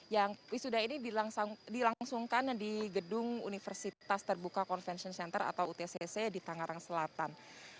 yang wisuda ini dilangsungkan di gedung universitas terbuka convention center atau utcc di tangerang selatan